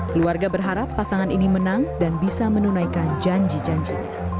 keluarga berharap pasangan ini menang dan bisa menunaikan janji janjinya